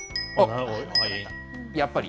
やっぱり。